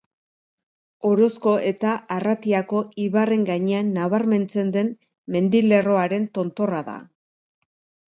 Orozko eta Arratiako ibarren gainean nabarmentzen den mendilerroaren tontorra da.